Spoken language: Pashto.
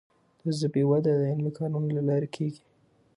د ژبي وده د علمي کارونو له لارې کیږي.